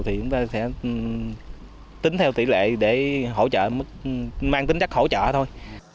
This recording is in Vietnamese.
thì chúng ta sẽ tính theo tỷ lệ để hỗ trợ mức tính đắc hỗ trợ thôi